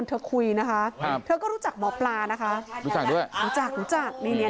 คุณปุ้ยอายุ๓๒นางความร้องไห้พูดคนเดี๋ยว